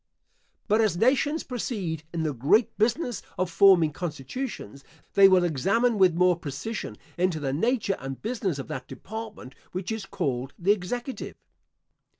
But as nations proceed in the great business of forming constitutions, they will examine with more precision into the nature and business of that department which is called the executive.